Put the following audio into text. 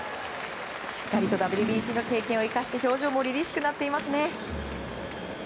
しっかりとＷＢＣの経験を生かして表情も凛々しくなっていますね。